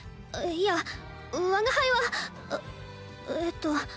いや我が輩はあっえっと